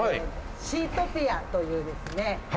「シートピア」というですね